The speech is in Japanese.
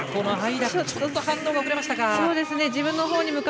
間、ちょっと反応遅れましたか。